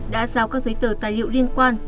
đã giao các giấy tờ tài liệu liên quan